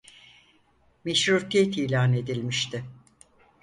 Meşrutiyet ilan edilmişti.